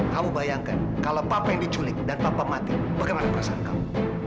kamu bayangkan kalau papa yang diculik dan papa mati bagaimana perasaan kamu